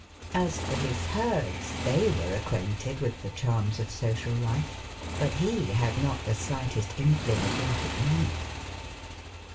As for his herds, they were acquainted with the charms of social life, but he had not the slightest inkling of what it meant.